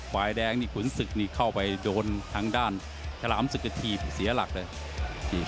ฝ่ายแดงนี่ขุนศึกนี่เข้าไปโดนทางด้านขระหลามสุขธิบเสียหลักเลย